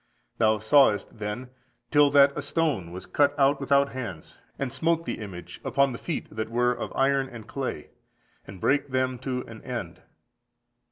Thou sawest, then, till that a stone was cut out without hands, and smote the image upon the feet that were of iron and clay, and brake them to an end.